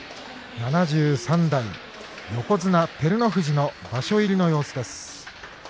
７３代横綱照ノ富士の場所入りの様子です。